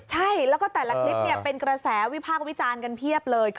ใช่แล้วก็แต่ละคลิปเป็นกระแสวิพากษ์วิจารณ์กันเพียบเลย